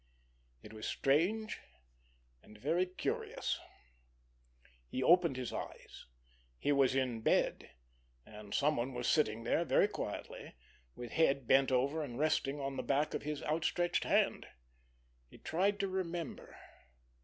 ―――― It was strange and very curious. He opened his eyes. He was in bed, and someone was sitting there very quietly, with head bent over and resting on the back of his outstretched hand. He tried to remember.